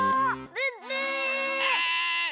ブッブー！